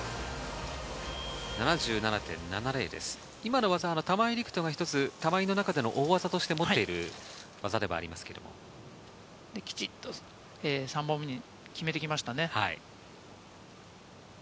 今の技、玉井陸斗が玉井の中での大技として持っている技でもあり３本目に決めてきましたね。